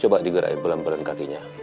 coba digerai pelan pelan kakinya